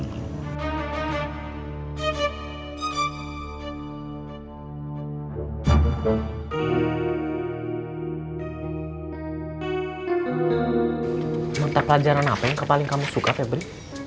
minta pelajaran apa yang paling kamu suka febri